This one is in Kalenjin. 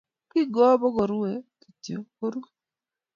Kingowo bukorue kityo, koruu